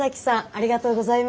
ありがとうございます。